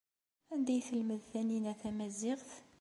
Anda ay telmed Taninna tamaziɣt?